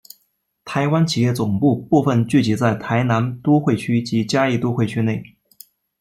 台湾企业总部部份聚集在台南都会区及嘉义都会区内。